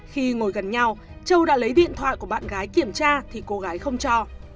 khi ngồi gần nhau châu đã lấy điện thoại của bạn gái kiểm tra thì cô gái không cho